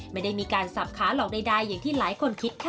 ไม่ได้มีการสับขาหลอกใดอย่างที่หลายคนคิดค่ะ